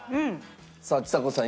さあちさ子さん